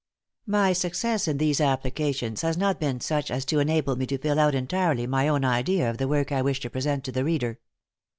My success in these applications has not been such as to enable me to fill out entirely my own idea of the work I wished to present to the reader.